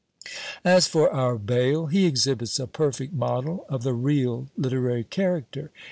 As for our Bayle, he exhibits a perfect model of the real literary character.